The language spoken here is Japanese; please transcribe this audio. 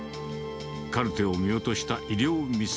カルテを見落とした医療ミス。